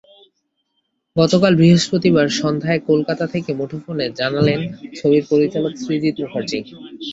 গতকাল বৃহস্পতিবার সন্ধ্যায় কলকাতা থেকে মুঠোফোনে জানালেন ছবির পরিচালক সৃজিত মুখার্জি।